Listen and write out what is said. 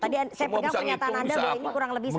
tadi saya pegang kenyataan anda ini kurang lebih sama